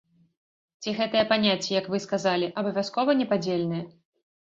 Ці гэтыя паняцці, як вы сказалі, абавязкова непадзельныя?